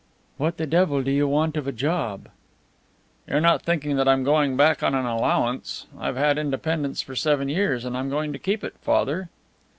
"What the devil do you want of a job?" "You're not thinking that I'm going back on an allowance? I've had independence for seven years, and I'm going to keep it, Father."